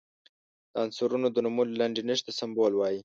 د عنصرونو د نومونو لنډي نښې ته سمبول وايي.